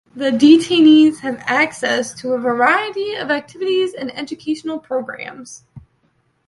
The detainees have access to a variety of activities and educational programs.